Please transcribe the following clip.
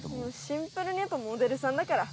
シンプルにいうとモデルさんだから。